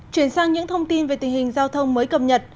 chuyển sang những thông tin về tình hình giao thông mới cập nhật